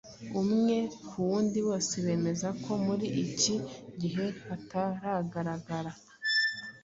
Umwe k’uwundi bose bemeza ko muri ikigihe hataragaragara